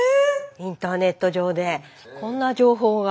インターネット上でこんな情報が。